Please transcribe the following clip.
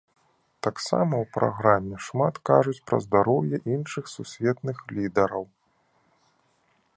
Таксама ў праграме шмат кажуць пра здароўе іншых сусветных лідараў.